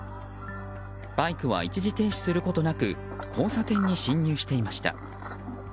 バイクは一時停止することなく交差点に進入していました。